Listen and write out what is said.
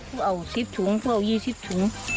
พูดเอา๑๐ถุงพูดเอา๒๐ถุง